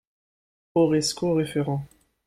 Horresco referens